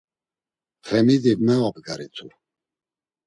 Xemidi mevabgaritu.